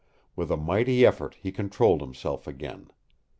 With a mighty effort he controlled himself again.